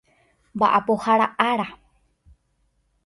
Mba'apohára Ára